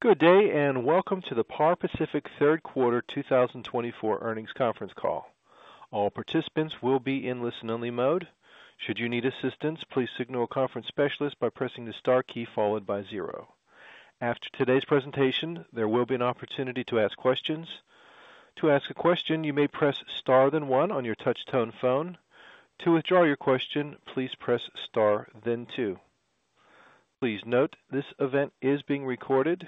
Good day, and welcome to the Par Pacific Third Quarter 2024 Earnings Conference Call. All participants will be in listen-only mode. Should you need assistance, please signal a conference specialist by pressing the star key followed by zero. After today's presentation, there will be an opportunity to ask questions. To ask a question, you may press star then one on your touch-tone phone. To withdraw your question, please press star then two. Please note this event is being recorded.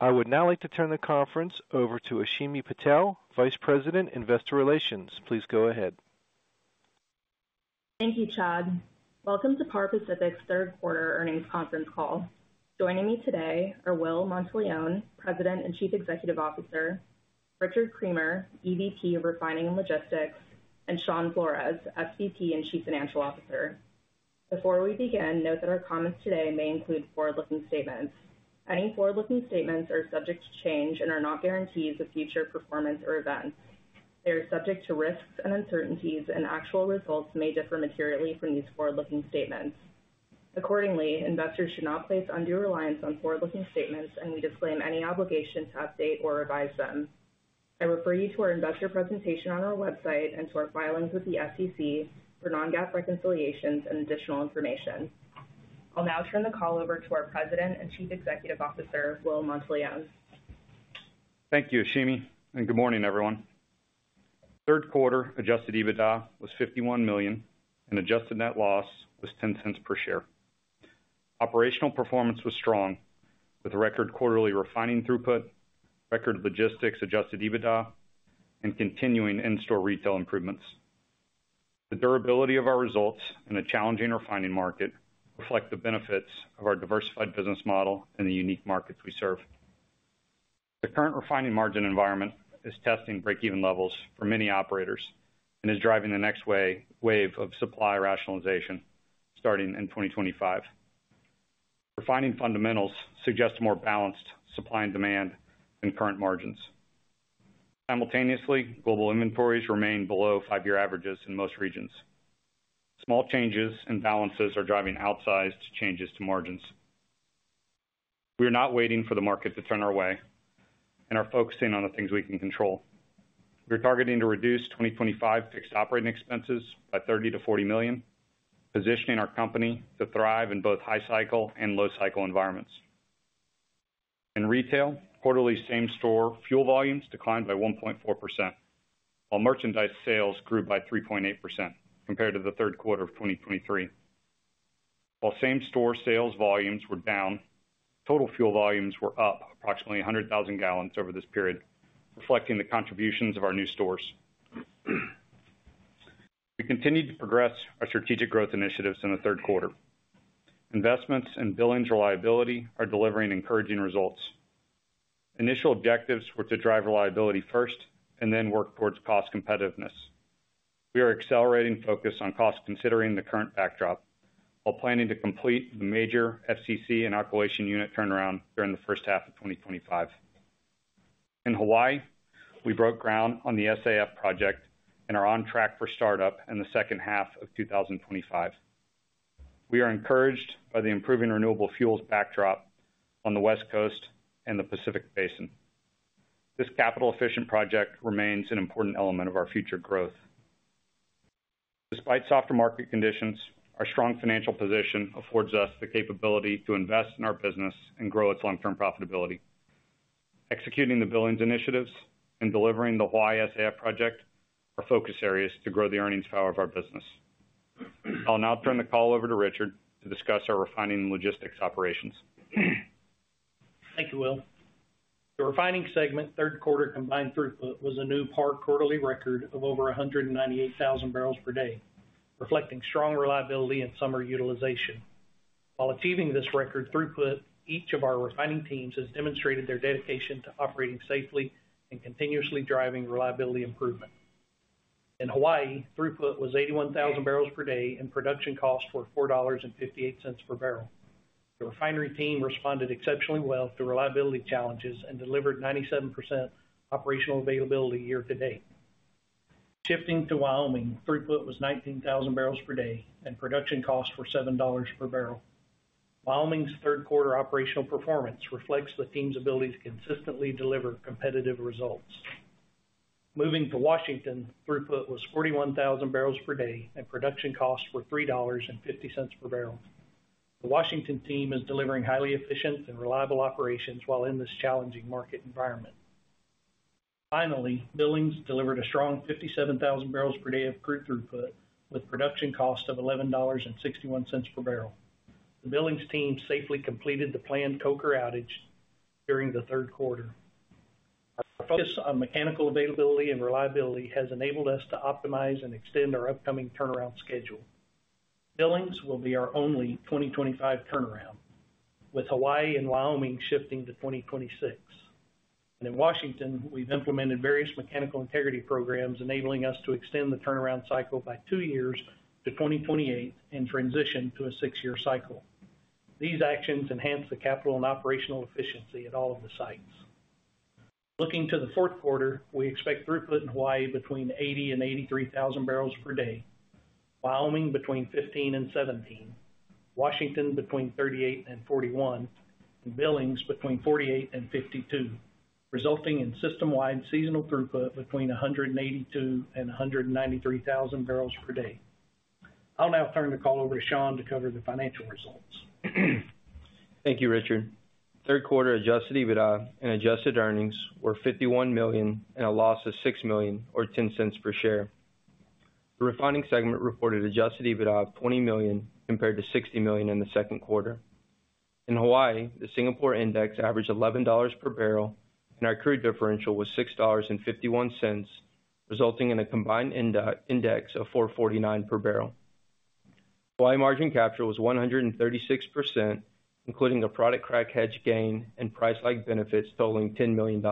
I would now like to turn the conference over to Ashimi Patel, Vice President, Investor Relations. Please go ahead. Thank you, Chad. Welcome to Par Pacific's Third Quarter Earnings Conference Call. Joining me today are Will Monteleone, President and Chief Executive Officer, Richard Creamer, EVP of Refining and Logistics, and Shawn Flores, SVP and Chief Financial Officer. Before we begin, note that our comments today may include forward-looking statements. Any forward-looking statements are subject to change and are not guarantees of future performance or events. They are subject to risks and uncertainties, and actual results may differ materially from these forward-looking statements. Accordingly, investors should not place undue reliance on forward-looking statements, and we disclaim any obligation to update or revise them. I refer you to our investor presentation on our website and to our filings with the SEC for non-GAAP reconciliations and additional information. I'll now turn the call over to our President and Chief Executive Officer, Will Monteleone. Thank you, Ashimi, and good morning, everyone. Third quarter Adjusted EBITDA was $51 million, and adjusted net loss was $0.10 per share. Operational performance was strong, with record quarterly refining throughput, record logistics Adjusted EBITDA, and continuing in-store retail improvements. The durability of our results in a challenging refining market reflects the benefits of our diversified business model and the unique markets we serve. The current refining margin environment is testing break-even levels for many operators and is driving the next wave of supply rationalization starting in 2025. Refining fundamentals suggest a more balanced supply and demand than current margins. Simultaneously, global inventories remain below five-year averages in most regions. Small changes in balances are driving outsized changes to margins. We are not waiting for the market to turn our way and are focusing on the things we can control. We are targeting to reduce 2025 fixed operating expenses by $30 million-$40 million, positioning our company to thrive in both high-cycle and low-cycle environments. In retail, quarterly same-store fuel volumes declined by 1.4%, while merchandise sales grew by 3.8% compared to the third quarter of 2023. While same-store sales volumes were down, total fuel volumes were up approximately 100,000 gallons over this period, reflecting the contributions of our new stores. We continued to progress our strategic growth initiatives in the third quarter. Investments in Billings' reliability are delivering encouraging results. Initial objectives were to drive reliability first and then work towards cost competitiveness. We are accelerating focus on cost considering the current backdrop while planning to complete the major FCC alkylation unit turnaround during the first half of 2025. In Hawaii, we broke ground on the SAF project and are on track for startup in the second half of 2025. We are encouraged by the improving renewable fuels backdrop on the West Coast and the Pacific Basin. This capital-efficient project remains an important element of our future growth. Despite softer market conditions, our strong financial position affords us the capability to invest in our business and grow its long-term profitability. Executing the Billings initiatives and delivering the Hawaii SAF project are focus areas to grow the earnings power of our business. I'll now turn the call over to Richard to discuss our refining and logistics operations. Thank you, Will. The refining segment third quarter combined throughput was a new Par quarterly record of over 198,000 bbl per day, reflecting strong reliability and summer utilization. While achieving this record throughput, each of our refining teams has demonstrated their dedication to operating safely and continuously driving reliability improvement. In Hawaii, throughput was 81,000 bbl per day, and production costs were $4.58 per barrel. The refinery team responded exceptionally well to reliability challenges and delivered 97% operational availability year to date. Shifting to Wyoming, throughput was 19,000 bbl per day, and production costs were $7 per barrel. Wyoming's third quarter operational performance reflects the team's ability to consistently deliver competitive results. Moving to Washington, throughput was 41,000 bbl per day, and production costs were $3.50 per barrel. The Washington team is delivering highly efficient and reliable operations while in this challenging market environment. Finally, Billings delivered a strong 57,000 bbl per day of crude throughput with production costs of $11.61 per barrel. The Billings team safely completed the planned coker outage during the third quarter. Our focus on mechanical availability and reliability has enabled us to optimize and extend our upcoming turnaround schedule. Billings will be our only 2025 turnaround, with Hawaii and Wyoming shifting to 2026. And in Washington, we've implemented various mechanical integrity programs, enabling us to extend the turnaround cycle by two years to 2028 and transition to a six-year cycle. These actions enhance the capital and operational efficiency at all of the sites. Looking to the fourth quarter, we expect throughput in Hawaii between 80,000 bbl and 83,000 bbl per day, Wyoming between 15,000 bbl and 17,000 bbl, Washington between 38,000 bbl and 41,000 bbl, and Billings between 48,000 bbl and 52,000 bbl, resulting in system-wide seasonal throughput between 182,000 bbl and 193,000 bbl per day. I'll now turn the call over to Shawn to cover the financial results. Thank you, Richard. Third quarter adjusted EBITDA and adjusted earnings were $51 million and a loss of $6 million or $0.10 per share. The refining segment reported adjusted EBITDA of $20 million compared to $60 million in the second quarter. In Hawaii, the Singapore index averaged $11 per barrel, and our crude differential was $6.51, resulting in a combined index of $4.49 per barrel. Hawaii margin capture was 136%, including a product crack hedge gain and price-lag benefits totaling $10 million.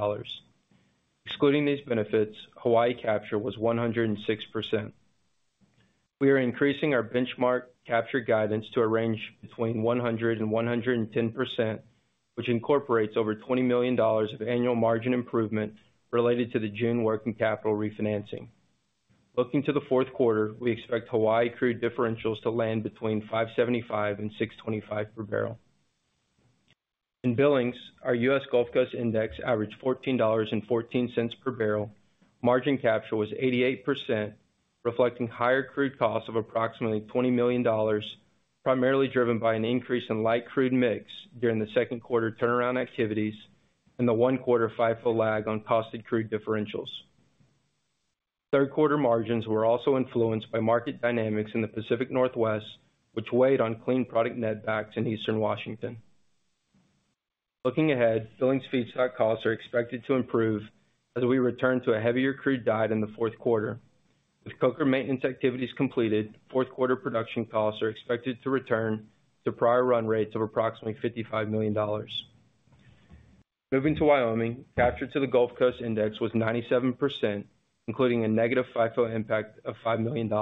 Excluding these benefits, Hawaii capture was 106%. We are increasing our benchmark capture guidance to a range between 100% and 110%, which incorporates over $20 million of annual margin improvement related to the June working capital refinancing. Looking to the fourth quarter, we expect Hawaii crude differentials to land between $5.75 and $6.25 per barrel. In Billings, our U.S. Gulf Coast index averaged $14.14 per barrel. Margin capture was 88%, reflecting higher crude costs of approximately $20 million, primarily driven by an increase in light crude mix during the second quarter turnaround activities and the one-quarter FIFO lag on costed crude differentials. Third quarter margins were also influenced by market dynamics in the Pacific Northwest, which weighed on clean product netbacks in eastern Washington. Looking ahead, Billings feedstock costs are expected to improve as we return to a heavier crude diet in the fourth quarter. With coker maintenance activities completed, fourth quarter production costs are expected to return to prior run rates of approximately $55 million. Moving to Wyoming, capture to the Gulf Coast index was 97%, including a negative FIFO impact of $5 million.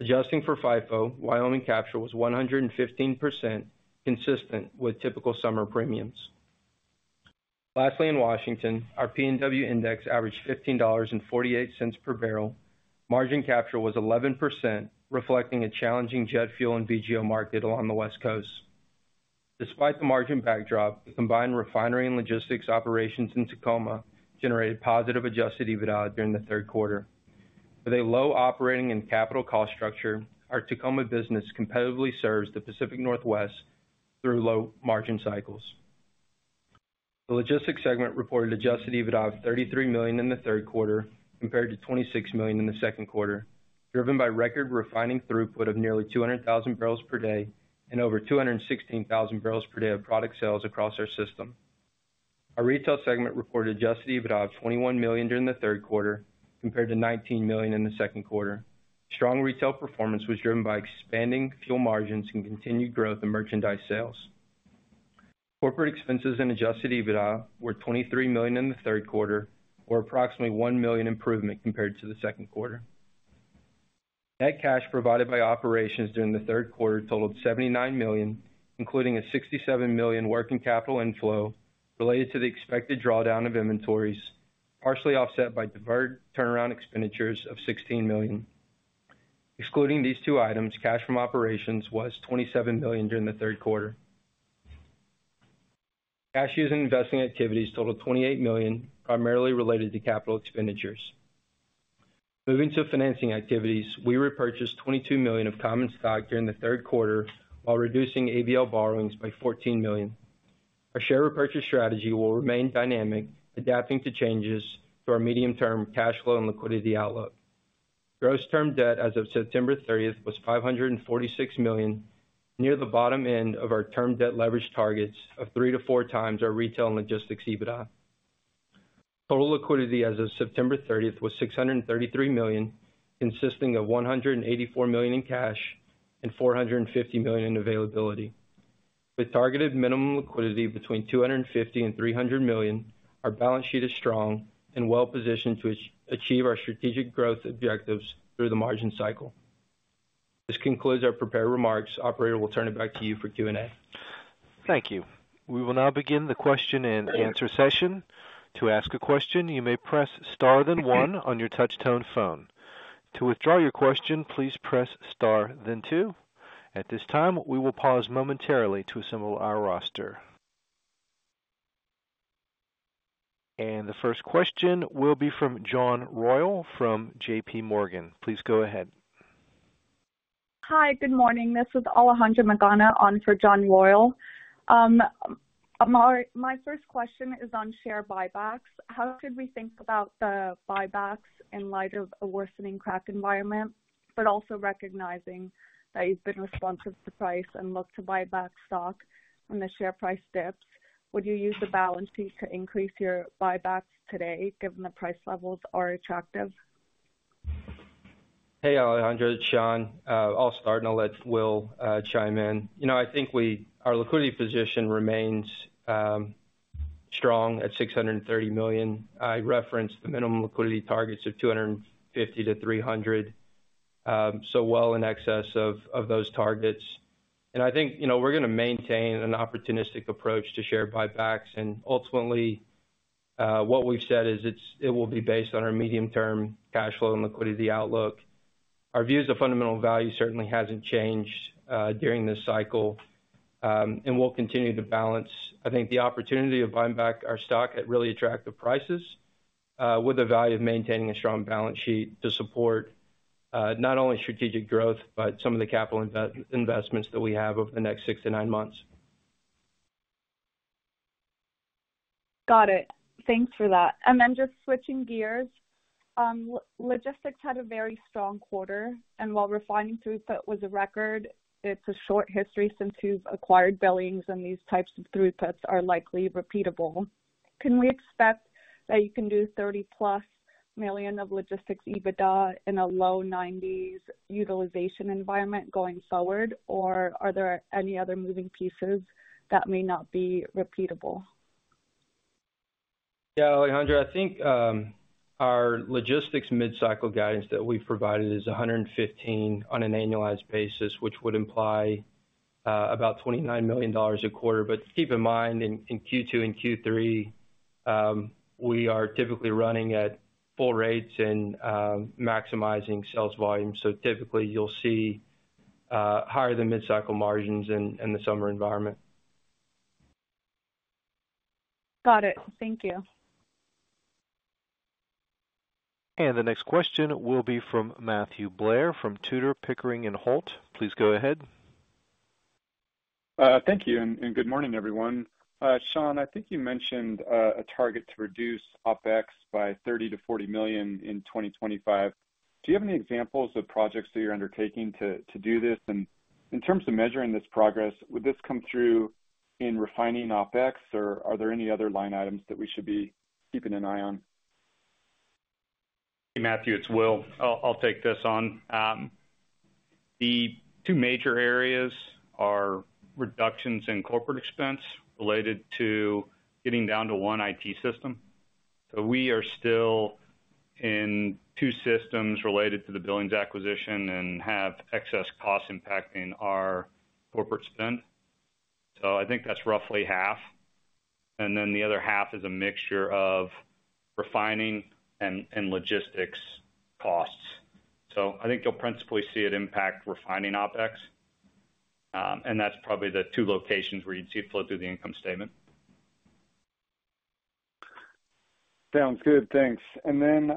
Adjusting for FIFO, Wyoming capture was 115%, consistent with typical summer premiums. Lastly, in Washington, our PNW index averaged $15.48 per barrel. Margin capture was 11%, reflecting a challenging jet fuel and VGO market along the West Coast. Despite the margin backdrop, the combined refinery and logistics operations in Tacoma generated positive adjusted EBITDA during the third quarter. With a low operating and capital cost structure, our Tacoma business competitively serves the Pacific Northwest through low margin cycles. The logistics segment reported adjusted EBITDA of $33 million in the third quarter compared to $26 million in the second quarter, driven by record refining throughput of nearly 200,000 bbl per day and over 216,000 bbl per day of product sales across our system. Our retail segment reported adjusted EBITDA of $21 million during the third quarter compared to $19 million in the second quarter. Strong retail performance was driven by expanding fuel margins and continued growth in merchandise sales. Corporate expenses and adjusted EBITDA were $23 million in the third quarter, or approximately $1 million improvement compared to the second quarter. Net cash provided by operations during the third quarter totaled $79 million, including a $67 million working capital inflow related to the expected drawdown of inventories, partially offset by diverted turnaround expenditures of $16 million. Excluding these two items, cash from operations was $27 million during the third quarter. Cash use and investing activities totaled $28 million, primarily related to capital expenditures. Moving to financing activities, we repurchased $22 million of common stock during the third quarter while reducing ABL borrowings by $14 million. Our share repurchase strategy will remain dynamic, adapting to changes to our medium-term cash flow and liquidity outlook. Gross term debt as of September 30 was $546 million, near the bottom end of our term debt leverage targets of 3x-4x our retail and logistics EBITDA. Total liquidity as of September 30 was $633 million, consisting of $184 million in cash and $450 million in availability. With targeted minimum liquidity between $250 million and $300 million, our balance sheet is strong and well-positioned to achieve our strategic growth objectives through the margin cycle. This concludes our prepared remarks. Operator will turn it back to you for Q and A. Thank you. We will now begin the question and answer session. To ask a question, you may press star then one on your touch-tone phone. To withdraw your question, please press star then two. At this time, we will pause momentarily to assemble our roster. The first question will be from John Royall from JPMorgan. Please go ahead. Hi, good morning. This is Alejandra Magana on for John Royall. My first question is on share buybacks. How should we think about the buybacks in light of a worsening crack environment, but also recognizing that you've been responsive to price and look to buy back stock when the share price dips? Would you use the balance sheet to increase your buybacks today, given the price levels are attractive? Hey, Alejandra, John. I'll start and let Will chime in. You know, I think our liquidity position remains strong at $630 million. I referenced the minimum liquidity targets of $250 million-$300 million, so well in excess of those targets. And I think we're going to maintain an opportunistic approach to share buybacks. And ultimately, what we've said is it will be based on our medium-term cash flow and liquidity outlook. Our views of fundamental value certainly haven't changed during this cycle, and we'll continue to balance. I think the opportunity of buying back our stock at really attractive prices with the value of maintaining a strong balance sheet to support not only strategic growth, but some of the capital investments that we have over the next six to nine months. Got it. Thanks for that. And then just switching gears, logistics had a very strong quarter, and while refining throughput was a record, it's a short history since you've acquired Billings, and these types of throughputs are likely repeatable. Can we expect that you can do $30+ million of logistics EBITDA in a low 90s% utilization environment going forward, or are there any other moving pieces that may not be repeatable? Yeah, Alejandra, I think our logistics mid-cycle guidance that we've provided is $115 million on an annualized basis, which would imply about $29 million a quarter. But keep in mind, in Q2 and Q3, we are typically running at full rates and maximizing sales volume. So typically, you'll see higher than mid-cycle margins in the summer environment. Got it. Thank you. And the next question will be from Matthew Blair from Tudor, Pickering, and Holt. Please go ahead. Thank you. And good morning, everyone. Shawn, I think you mentioned a target to reduce OpEx by $30 million-$40 million in 2025. Do you have any examples of projects that you're undertaking to do this? And in terms of measuring this progress, would this come through in refining OpEx, or are there any other line items that we should be keeping an eye on? Hey, Matthew, it's Will. I'll take this on. The two major areas are reductions in corporate expense related to getting down to one IT system. So we are still in two systems related to the Billings acquisition and have excess costs impacting our corporate spend. So I think that's roughly half. And then the other half is a mixture of refining and logistics costs. So I think you'll principally see it impact refining OpEx. And that's probably the two locations where you'd see it flow through the income statement. Sounds good. Thanks. And then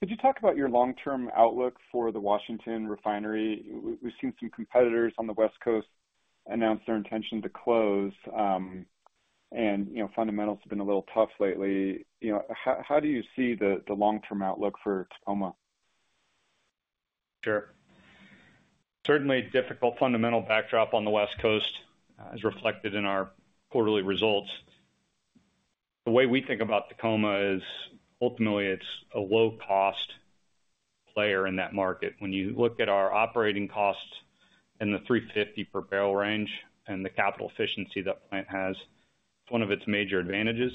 could you talk about your long-term outlook for the Washington refinery? We've seen some competitors on the West Coast announce their intention to close, and fundamentals have been a little tough lately. How do you see the long-term outlook for Tacoma? Sure. Certainly, a difficult fundamental backdrop on the West Coast is reflected in our quarterly results. The way we think about Tacoma is ultimately it's a low-cost player in that market. When you look at our operating costs and the $350 per barrel range and the capital efficiency that plant has, it's one of its major advantages.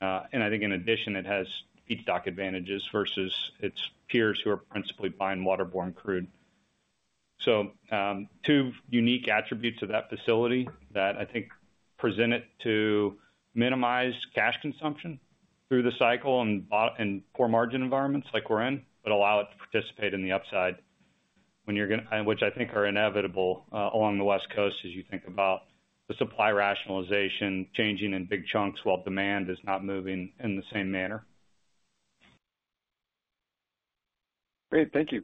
And I think in addition, it has feedstock advantages versus its peers who are principally buying waterborne crude. So two unique attributes of that facility that I think present it to minimize cash consumption through the cycle and poor margin environments like we're in, but allow it to participate in the upside, which I think are inevitable along the West Coast as you think about the supply rationalization changing in big chunks while demand is not moving in the same manner. Great. Thank you.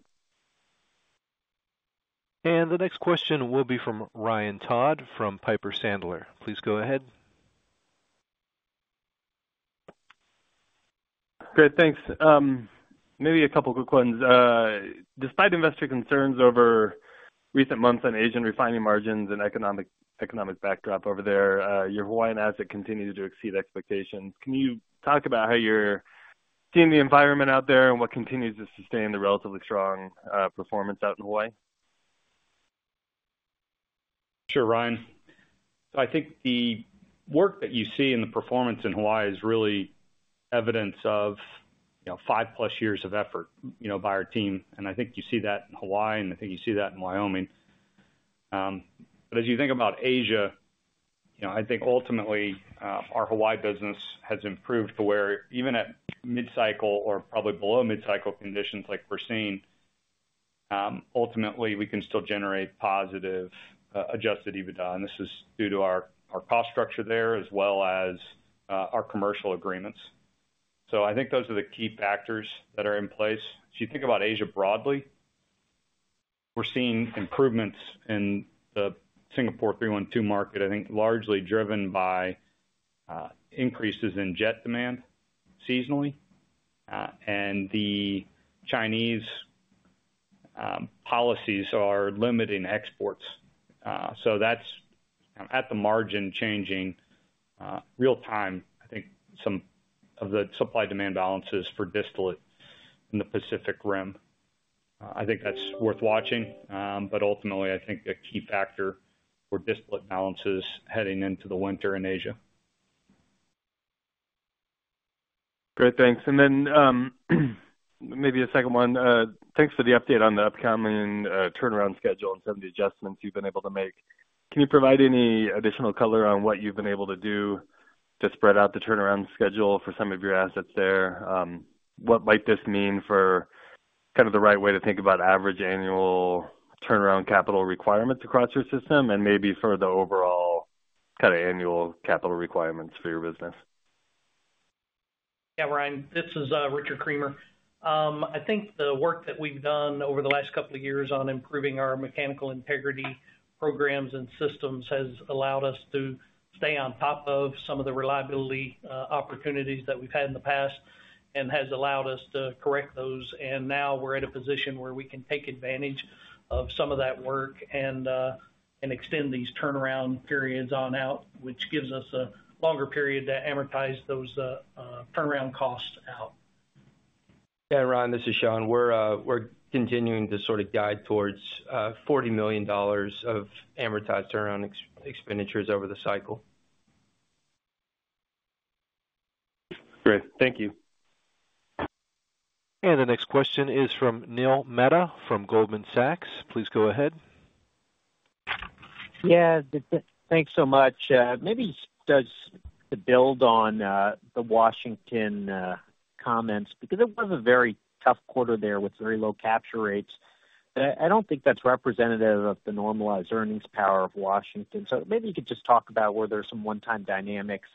The next question will be from Ryan Todd from Piper Sandler. Please go ahead. Great. Thanks. Maybe a couple of quick ones. Despite investor concerns over recent months on Asian refining margins and economic backdrop over there, your Hawaiian asset continues to exceed expectations. Can you talk about how you're seeing the environment out there and what continues to sustain the relatively strong performance out in Hawaii? Sure, Ryan. So I think the work that you see in the performance in Hawaii is really evidence of five-plus years of effort by our team. And I think you see that in Hawaii, and I think you see that in Wyoming. But as you think about Asia, I think ultimately our Hawaii business has improved to where even at mid-cycle or probably below mid-cycle conditions like we're seeing, ultimately we can still generate positive adjusted EBITDA. And this is due to our cost structure there as well as our commercial agreements. So I think those are the key factors that are in place. If you think about Asia broadly, we're seeing improvements in the Singapore 3-1-2 market, I think largely driven by increases in jet demand seasonally. And the Chinese policies are limiting exports. So that's at the margin changing real-time, I think, some of the supply-demand balances for distillate in the Pacific Rim. I think that's worth watching. But ultimately, I think a key factor for distillate balances heading into the winter in Asia. Great. Thanks. And then maybe a second one. Thanks for the update on the upcoming turnaround schedule and some of the adjustments you've been able to make. Can you provide any additional color on what you've been able to do to spread out the turnaround schedule for some of your assets there? What might this mean for kind of the right way to think about average annual turnaround capital requirements across your system and maybe for the overall kind of annual capital requirements for your business? Yeah, Ryan, this is Richard Creamer. I think the work that we've done over the last couple of years on improving our mechanical integrity programs and systems has allowed us to stay on top of some of the reliability opportunities that we've had in the past and has allowed us to correct those, and now we're at a position where we can take advantage of some of that work and extend these turnaround periods on out, which gives us a longer period to amortize those turnaround costs out. Yeah, Ryan, this is Shawn. We're continuing to sort of guide towards $40 million of amortized turnaround expenditures over the cycle. Great. Thank you. The next question is from Neil Mehta from Goldman Sachs. Please go ahead. Yeah, thanks so much. Maybe just to build on the Washington comments, because it was a very tough quarter there with very low capture rates. I don't think that's representative of the normalized earnings power of Washington. So maybe you could just talk about where there are some one-time dynamics.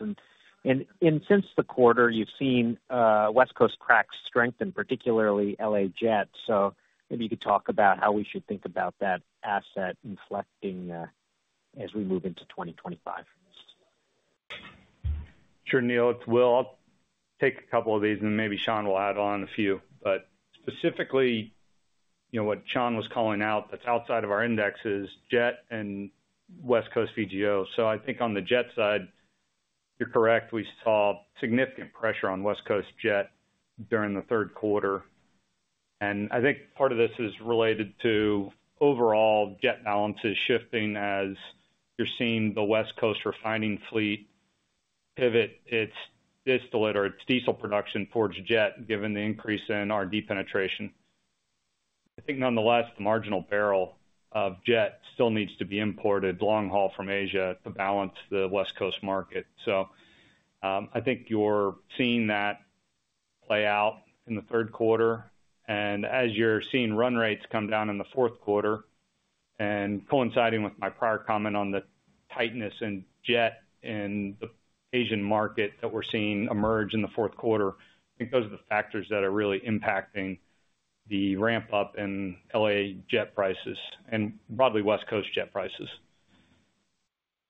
And since the quarter, you've seen West Coast crack strengthen, particularly LA Jet. So maybe you could talk about how we should think about that asset inflecting as we move into 2025. Sure, Neil. It's Will. I'll take a couple of these and maybe Shawn will add on a few. But specifically, what Shawn was calling out that's outside of our index is jet and West Coast VGO. So I think on the jet side, you're correct. We saw significant pressure on West Coast jet during the third quarter. And I think part of this is related to overall jet balances shifting as you're seeing the West Coast refining fleet pivot its distillate or its diesel production towards jet given the increase in RD penetration. I think nonetheless, the marginal barrel of jet still needs to be imported long haul from Asia to balance the West Coast market. So I think you're seeing that play out in the third quarter. And as you're seeing run rates come down in the fourth quarter and coinciding with my prior comment on the tightness in jet in the Asian market that we're seeing emerge in the fourth quarter, I think those are the factors that are really impacting the ramp-up in LA jet prices and probably West Coast jet prices.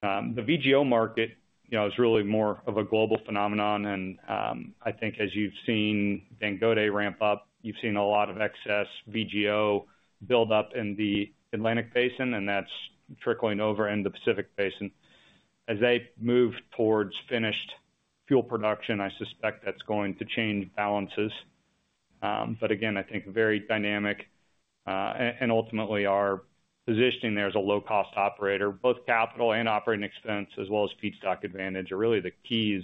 The VGO market is really more of a global phenomenon. And I think as you've seen Dangote Refinery ramp up, you've seen a lot of excess VGO buildup in the Atlantic Basin, and that's trickling over in the Pacific Basin. As they move towards finished fuel production, I suspect that's going to change balances. But again, I think very dynamic. And ultimately, our positioning there as a low-cost operator, both capital and operating expense, as well as feedstock advantage are really the keys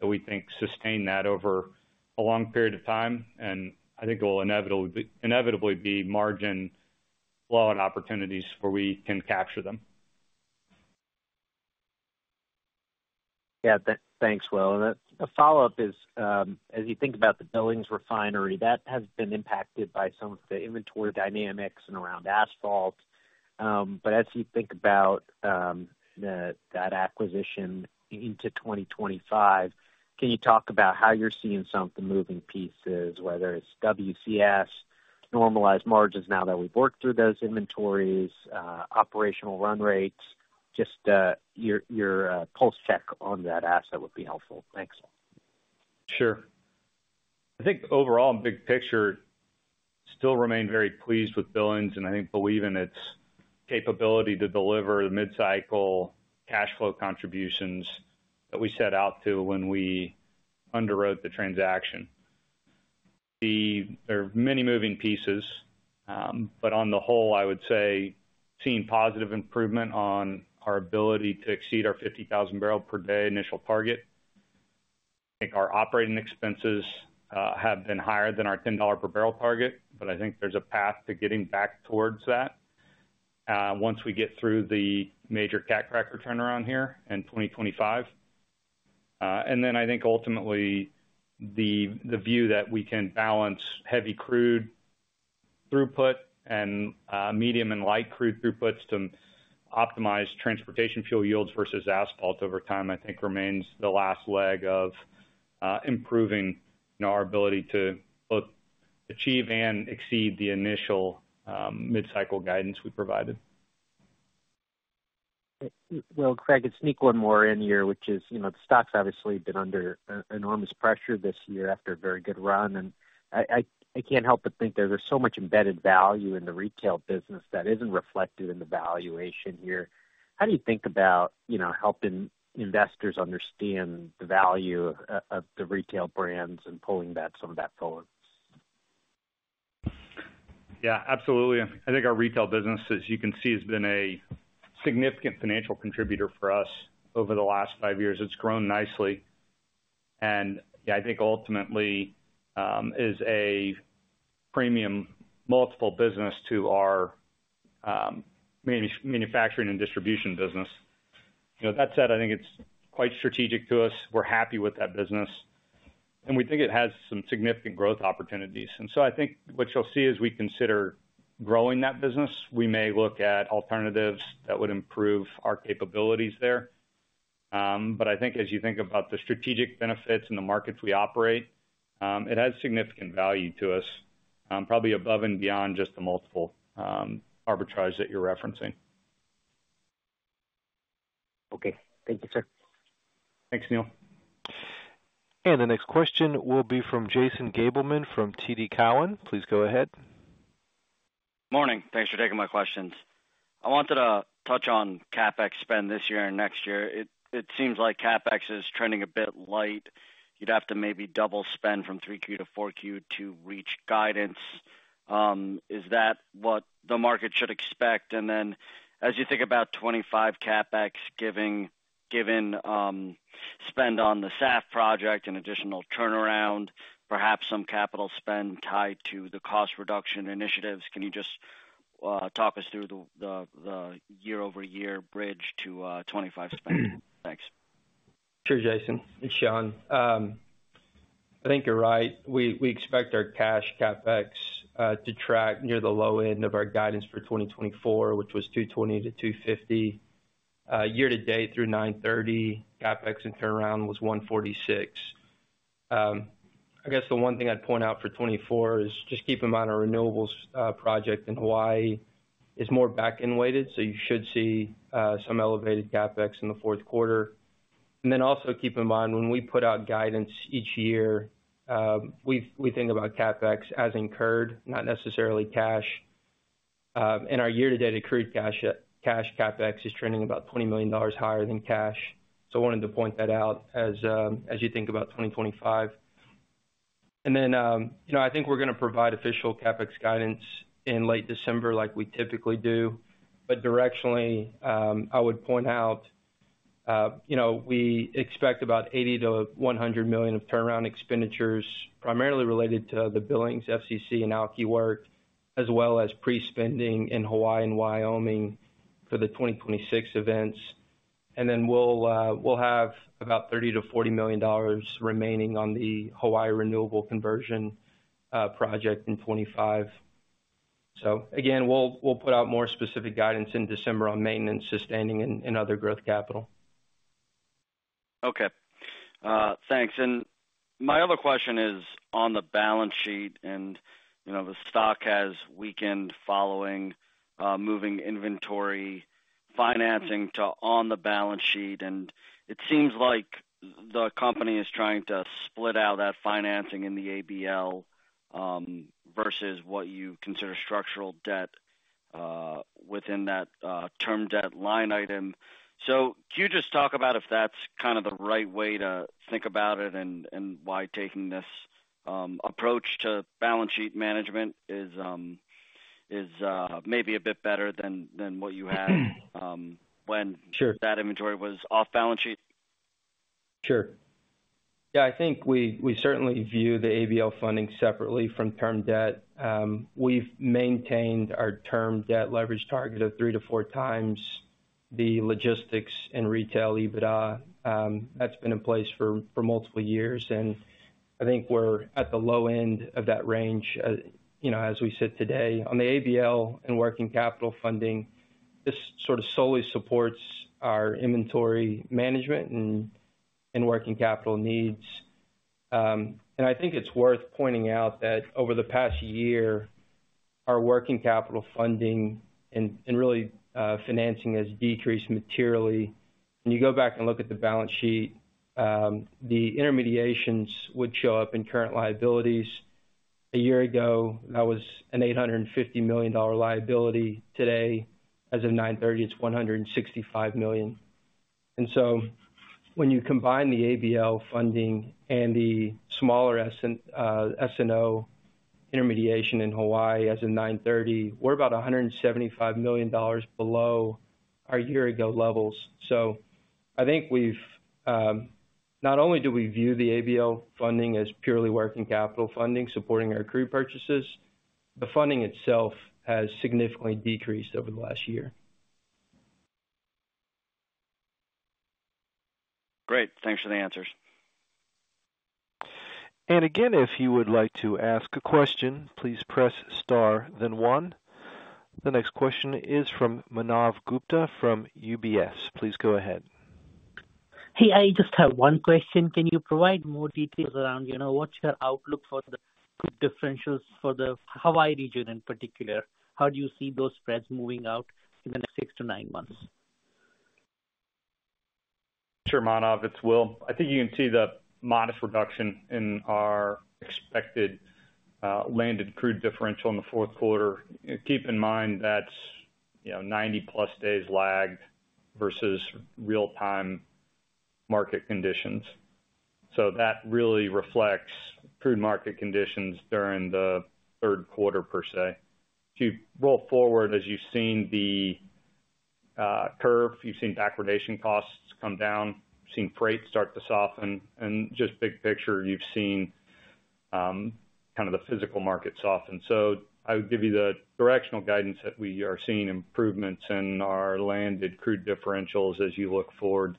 that we think sustain that over a long period of time. And I think it will inevitably be margin flow and opportunities where we can capture them. Yeah, thanks, Will. And a follow-up is, as you think about the Billings refinery, that has been impacted by some of the inventory dynamics and around asphalt. But as you think about that acquisition into 2025, can you talk about how you're seeing some of the moving pieces, whether it's WCS, normalized margins now that we've worked through those inventories, operational run rates? Just your pulse check on that asset would be helpful. Thanks. Sure. I think overall, in big picture, still remain very pleased with Billings and I think believe in its capability to deliver the mid-cycle cash flow contributions that we set out to when we underwrote the transaction. There are many moving pieces, but on the whole, I would say seeing positive improvement on our ability to exceed our 50,000 bbl per day initial target. I think our operating expenses have been higher than our $10 per barrel target, but I think there's a path to getting back towards that once we get through the major cat-cracker turnaround here in 2025. Then I think ultimately the view that we can balance heavy crude throughput and medium and light crude throughputs to optimize transportation fuel yields versus asphalt over time I think remains the last leg of improving our ability to both achieve and exceed the initial mid-cycle guidance we provided. Will, Can I sneak one more in here, which is the stocks obviously have been under enormous pressure this year after a very good run. And I can't help but think there's so much embedded value in the retail business that isn't reflected in the valuation here. How do you think about helping investors understand the value of the retail brands and pulling some of that forward? Yeah, absolutely. I think our retail business, as you can see, has been a significant financial contributor for us over the last five years. It's grown nicely, and yeah, I think ultimately is a premium multiple business to our manufacturing and distribution business. That said, I think it's quite strategic to us. We're happy with that business, and we think it has some significant growth opportunities, and so I think what you'll see as we consider growing that business, we may look at alternatives that would improve our capabilities there, but I think as you think about the strategic benefits and the markets we operate, it has significant value to us, probably above and beyond just the multiple arbitrage that you're referencing. Okay. Thank you, sir. Thanks, Neil. And the next question will be from Jason Gabelman from TD Cowen. Please go ahead. Morning. Thanks for taking my questions. I wanted to touch on CapEx spend this year and next year. It seems like CapEx is trending a bit light. You'd have to maybe double spend from 3Q to 4Q to reach guidance. Is that what the market should expect? And then as you think about 2025 CapEx given spend on the SAF project and additional turnaround, perhaps some capital spend tied to the cost reduction initiatives, can you just talk us through the year-over-year bridge to 2025 spend? Thanks. Sure, Jason.It's Shawn, I think you're right. We expect our cash CapEx to track near the low end of our guidance for 2024, which was $220 million-$250 million. Year-to-date through September 30, CapEx and turnaround was $146 million. I guess the one thing I'd point out for 2024 is just keep in mind our renewables project in Hawaii is more back-end weighted, so you should see some elevated CapEx in the fourth quarter. And then also keep in mind when we put out guidance each year, we think about CapEx as incurred, not necessarily cash. And our year-to-date accrued cash CapEx is trending about $20 million higher than cash. So I wanted to point that out as you think about 2025. And then I think we're going to provide official CapEx guidance in late December like we typically do. But directionally, I would point out we expect about $80 million-$100 million of turnaround expenditures, primarily related to the Billings, FCC, and alkylation work, as well as pre-spending in Hawaii and Wyoming for the 2026 events. And then we'll have about $30 million-$40 million remaining on the Hawaii renewable conversion project in 2025. So again, we'll put out more specific guidance in December on maintenance, sustaining, and other growth capital. Okay. Thanks. And my other question is on the balance sheet and the stock has weakened following moving inventory financing to on the balance sheet. And it seems like the company is trying to split out that financing in the ABL versus what you consider structural debt within that term debt line item. So can you just talk about if that's kind of the right way to think about it and why taking this approach to balance sheet management is maybe a bit better than what you had when that inventory was off balance sheet? Sure. Yeah, I think we certainly view the ABL funding separately from term debt. We've maintained our term debt leverage target of three-to-four times the logistics and retail EBITDA. That's been in place for multiple years. And I think we're at the low end of that range as we sit today. On the ABL and working capital funding, this sort of solely supports our inventory management and working capital needs. And I think it's worth pointing out that over the past year, our working capital funding and really financing has decreased materially. When you go back and look at the balance sheet, the S&O intermediations would show up in current liabilities. A year ago, that was an $850 million liability. Today, as of 9/30, it's $165 million. And so when you combine the ABL funding and the smaller S&O intermediation in Hawaii as of 9/30, we're about $175 million below our year-ago levels. So I think not only do we view the ABL funding as purely working capital funding supporting our crude purchases, the funding itself has significantly decreased over the last year. Great. Thanks for the answers. Again, if you would like to ask a question, please press star, then one. The next question is from Manav Gupta from UBS. Please go ahead. Hey, I just have one question. Can you provide more details around what's your outlook for the differentials for the Hawaii region in particular? How do you see those spreads moving out in the next six to nine months? Sure, Manav. It's Will. I think you can see the modest reduction in our expected landed crude differential in the fourth quarter. Keep in mind that's 90-plus days lagged versus real-time market conditions, so that really reflects crude market conditions during the third quarter, per se. If you roll forward, as you've seen the curve, you've seen backwardation costs come down, seen freight start to soften, and just big picture, you've seen kind of the physical market soften, so I would give you the directional guidance that we are seeing improvements in our landed crude differentials as you look forward.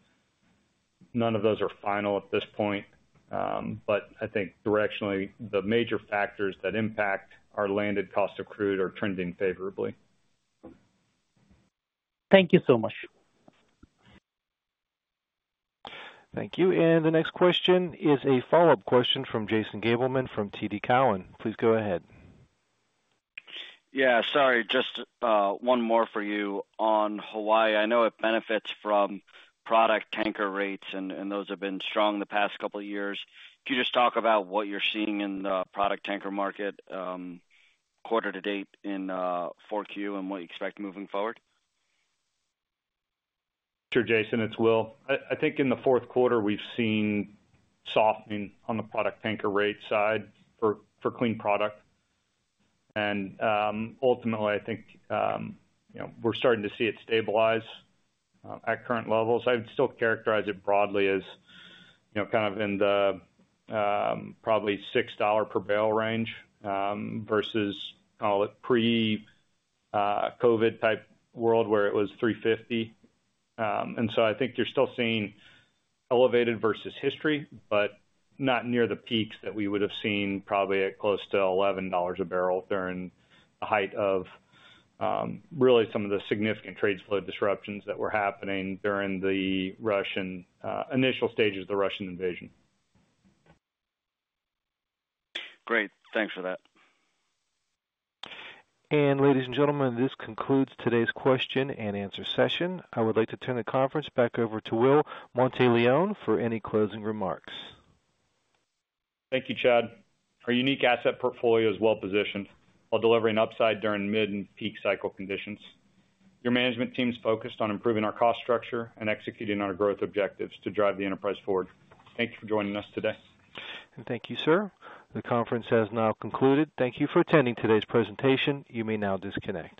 None of those are final at this point, but I think directionally, the major factors that impact our landed cost of crude are trending favorably. Thank you so much. Thank you. And the next question is a follow-up question from Jason Gabelman from TD Cowen. Please go ahead. Yeah, sorry. Just one more for you. On Hawaii, I know it benefits from product tanker rates, and those have been strong the past couple of years. Can you just talk about what you're seeing in the product tanker market quarter to date in 4Q and what you expect moving forward? Sure, Jason. It's Will. I think in the fourth quarter, we've seen softening on the product tanker rate side for clean product, and ultimately, I think we're starting to see it stabilize at current levels. I would still characterize it broadly as kind of in the probably $6 per barrel range versus call it pre-COVID type world where it was $3.50, and so I think you're still seeing elevated versus history, but not near the peaks that we would have seen probably at close to $11 a barrel during the height of really some of the significant trade flow disruptions that were happening during the initial stages of the Russian invasion. Great. Thanks for that. Ladies and gentlemen, this concludes today's question and answer session. I would like to turn the conference back over to Will Monteleone for any closing remarks. Thank you, Chad. Our unique asset portfolio is well positioned. While delivering upside during mid and peak cycle conditions, your management team is focused on improving our cost structure and executing our growth objectives to drive the enterprise forward. Thank you for joining us today. Thank you, sir. The conference has now concluded. Thank you for attending today's presentation. You may now disconnect.